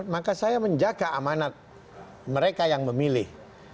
maka saya menjaga amanat mereka yang memilih